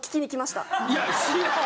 いや知らん。